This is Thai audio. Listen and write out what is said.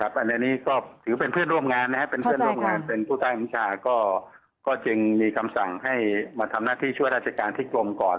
อันนี้ก็ถือเป็นเพื่อนร่วมงานเป็นผู้ต้านิกษาก็จึงมีคำสั่งให้มาทำหน้าที่ชั่วราชการทิกลมก่อน